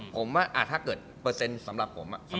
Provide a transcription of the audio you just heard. ผมว่าถ้าเกิดเปอร์เซ็นต์สำหรับผม